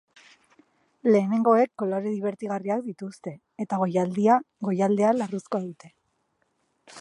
Lehenengoek kolore dibertigarriak dituzte eta goialdea larruzkoa dute.